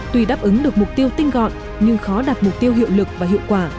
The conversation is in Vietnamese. tuy đáp ứng được mục tiêu tinh gọn nhưng khó đạt mục tiêu hiệu lực và hiệu quả